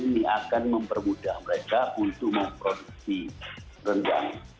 ini akan mempermudah mereka untuk memproduksi rendang